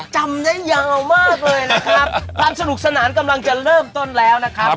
จำได้ยาวมากเลยนะครับความสนุกสนานกำลังจะเริ่มต้นแล้วนะครับ